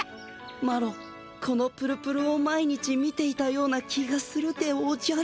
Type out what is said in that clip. マロこのプルプルを毎日見ていたような気がするでおじゃる。